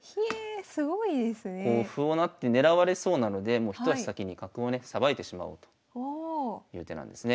こう歩を成って狙われそうなのでもう一足先に角をねさばいてしまおうという手なんですね。